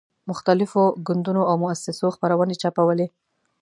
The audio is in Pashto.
مختلفو ګوندونو او موسسو خپرونې چاپولې.